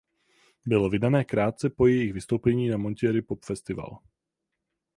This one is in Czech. Bylo vydané krátce po jejich vystoupení na Monterey Pop Festival.